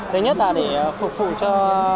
đấy nhất là để phục vụ cho